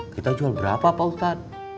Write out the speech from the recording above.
kita jual berapa pak ustadz